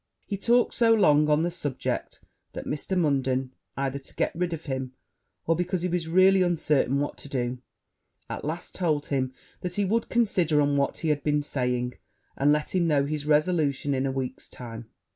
He talked so long on the subject, that Mr. Munden, either to get rid of him, or because he was really uncertain what to do, at last told him that he would consider on what he had been saying, and let him know his resolution in a week's time.